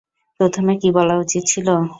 প্রথমে কী বলা উচিত ছিল?